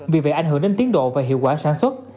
vì vậy ảnh hưởng đến tiến độ và hiệu quả sản xuất